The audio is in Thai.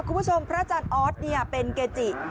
คุณผู้ชมพระอาจารย์ออธเนี่ยเป็นเกจิ